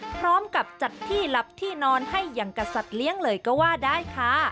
พร้อมกับจัดที่หลับที่นอนให้อย่างกับสัตว์เลี้ยงเลยก็ว่าได้ค่ะ